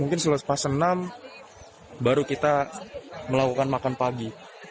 mungkin setelah pasenam baru kita melakukan makan pagi